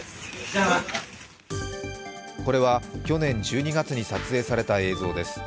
これは去年１２月に撮影された映像です。